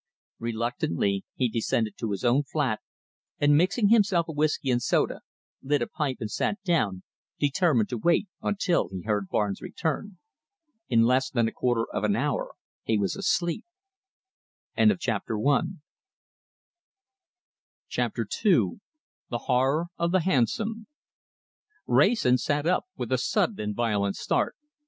Reluctantly he descended to his own flat, and mixing himself a whisky and soda, lit a pipe and sat down, determined to wait until he heard Barnes return. In less than a quarter of an hour he was asleep! CHAPTER II THE HORROR OF THE HANSOM Wrayson sat up with a sudden and violent start.